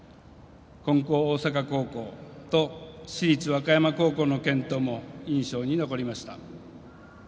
金光大阪高校と市立和歌山高校の健闘も印象に残りました。